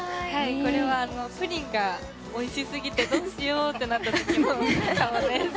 これはプリンがおいしすぎてどうしよう！ってなった時の顔です。